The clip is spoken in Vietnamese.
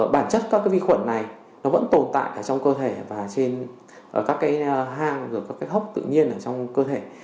bản chất các vi khuẩn này vẫn tồn tại trong cơ thể và trên các hang và các hốc tự nhiên trong cơ thể